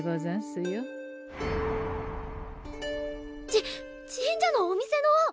じ神社のお店の！